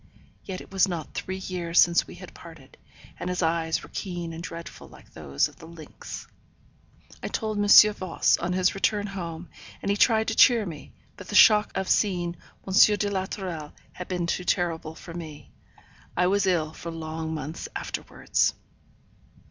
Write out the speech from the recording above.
Yet it was not three years since we had parted, and his eyes were keen and dreadful like those of the lynx. I told M. Voss, on his return home, and he tried to cheer me, but the shock of seeing M. de la Tourelle had been too terrible for me. I was ill for long months afterwards.